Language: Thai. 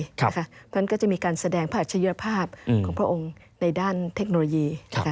เพราะฉะนั้นก็จะมีการแสดงพระอัจฉริยภาพของพระองค์ในด้านเทคโนโลยี